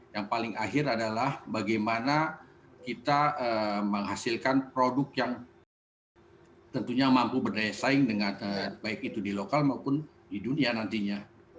yang paling akhir adalah bagaimana kita menghasilkan produk yang tentunya mampu berdaya saing dengan baik itu di lokal maupun di dunia nantinya